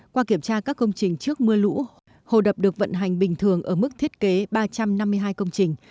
qua kiểm tra các công trình trước mưa lũ hồ đập được vận hành bình thường ở mức thiết kế ba trăm năm mươi hai công trình